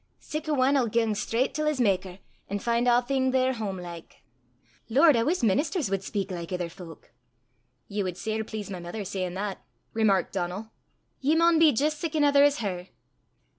Sic a ane 'ill gang straucht till 's makker, an' fin' a'thing there hame like. Lord, I wuss minnisters wad speyk like ither fowk!" "Ye wad sair please my mither sayin' that," remarked Donal. "Ye maun be jist sic anither as her!"